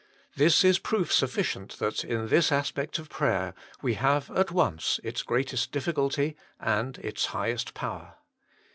This is proof sufficient that in this aspect of prayer we have at once its greatest difficulty and its highest power.